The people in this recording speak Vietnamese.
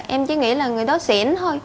em chỉ nghĩ là người đó xỉn thôi